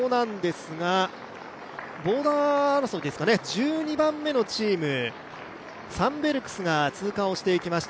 ボーダー争いですかね、１２番目のチーム、サンベルクスが通過をしていきました。